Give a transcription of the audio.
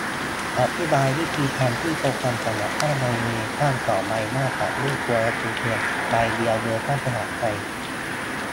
อธิบายวิธีทำที่ "โปรแกรมสำหรับสร้างอนิเมชันของใบหน้าจากรูปตัวการ์ตูนเพียงใบเดียว เวอร์ชันภาษาไทย"